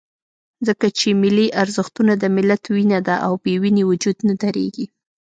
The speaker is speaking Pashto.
ځکه چې ملي ارزښتونه د ملت وینه ده، او بې وینې وجود نه درېږي.